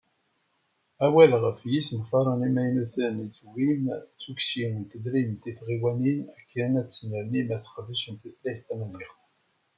Awal ɣef yisenfaren imaynuten i d-tewwim, d tukci n tedrimt i tɣiwanin akken ad snernim aseqdec n tutlayt tamaziɣt